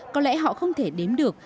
có lẽ họ không thể đếm được